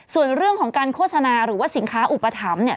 ส่วนเรื่องของการโฆษณาหรือว่าสินค้าอุปถัมภ์